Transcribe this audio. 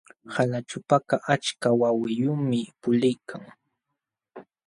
Qalaćhupakaq achka wawiyuqmi puliykan.